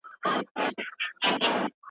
ابن مريم نو د چا ورور دی، ستا بنگړي ماتيږي